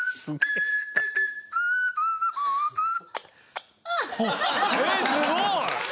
ええすごい！